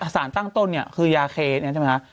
สารตั้งต้นเนี่ยคือยาเคเนี่ยใช่ไหมคะ